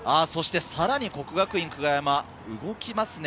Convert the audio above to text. さらに國學院久我山、動きますね。